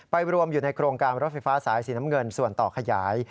รวมอยู่ในโครงการรถไฟฟ้าสายสีน้ำเงินส่วนต่อขยาย